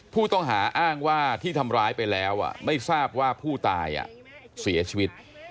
ผู้ต้องหาอ้างว่าที่ทำร้ายไปแล้วไม่ทราบว่าผู้ตายเสียชีวิต